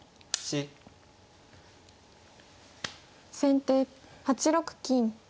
先手８六金。